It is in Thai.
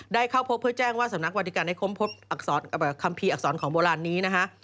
ได้เข้าพบเพื่อแจ้งว่าสำนักวัตการณ์ได้ค้มพบคำพีอักษรของโบราณนี้นะฮะ